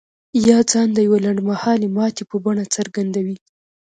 يا ځان د يوې لنډ مهالې ماتې په بڼه څرګندوي.